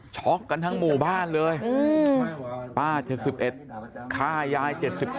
ช็อกกันทั้งหมู่บ้านเลยป้า๗๑ฆ่ายาย๗๑